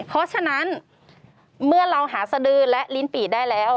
เพราะฉะนั้นเมื่อเราหาสดือและลิ้นปี่ได้แล้ว